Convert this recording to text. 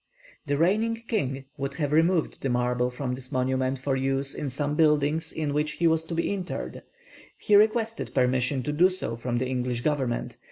The reigning king would have removed the marble from this monument for use in some building in which he was to be interred! He requested permission to do so from the English government.